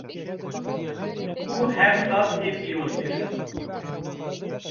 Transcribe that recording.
û her sal tê pîrozkirin.